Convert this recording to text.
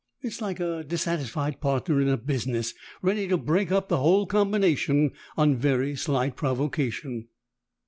It is like a dissatisfied partner in a business, ready to break up the whole combination on very slight provocation.